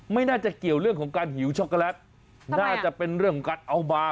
ไม่น่าจะเกี่ยวเรื่องของการหิวช็อกโกแลตน่าจะเป็นเรื่องของการเอามา